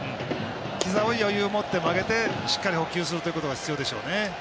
ひざを余裕を持って曲げてしっかり捕球することが必要でしょうね。